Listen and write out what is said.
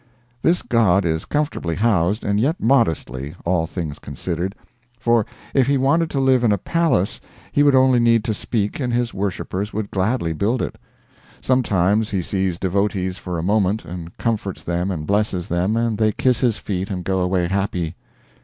This god is comfortably housed, and yet modestly, all things considered, for if he wanted to live in a palace he would only need to speak and his worshipers would gladly build it. Sometimes he sees devotees for a moment, and comforts them and blesses them, and they kiss his feet and go away happy.